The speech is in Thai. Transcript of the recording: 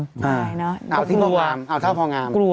ใช่เอาที่พองามเอาเท่าพองามนะฮะกลัว